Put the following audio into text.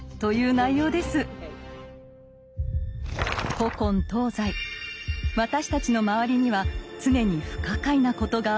古今東西私たちの周りには常に不可解なことがあふれています。